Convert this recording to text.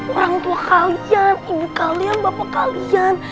orang tua kalian ibu kalian bapak kalian